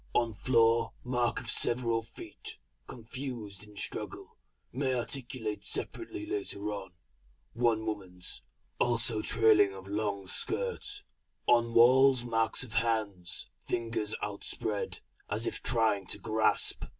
On floor, mark of several feet confused in struggle, may articulate separately later on one woman's also trailing of long skirt. On walls marks of hands, fingers outspread, as if trying to grasp.